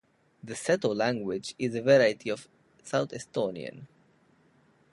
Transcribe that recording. The Seto language is a variety of South Estonian.